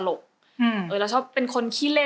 แล้วก็จะเป็นคนตลก